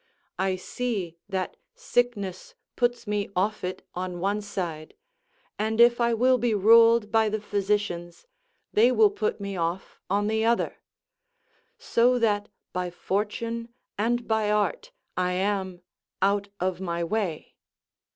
I see that sickness puts me off it on one side, and if I will be ruled by the physicians, they will put me off on the other; so that by fortune and by art I am out of my way.